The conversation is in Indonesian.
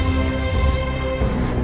kami akan mencari raden pemalarasa